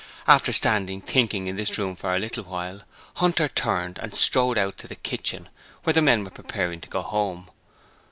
After standing thinking in this room for a little while, Hunter turned and strode out to the kitchen, where the men were preparing to go home.